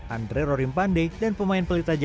andre rorimpande dan pemain pelita jogja